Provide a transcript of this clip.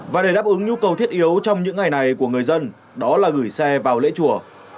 và để đáp ứng nhu cầu thiết yếu trong những ngày này của người dân đó là gửi xe vào lễ chùa